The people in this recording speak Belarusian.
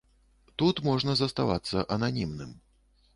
Тут можна заставацца ананімным.